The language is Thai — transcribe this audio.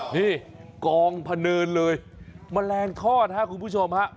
นี่กองพะเนินเลยแมลงทอดครับคุณผู้ชมฮะ